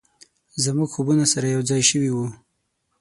زموږ خوبونه سره یو ځای شوي و،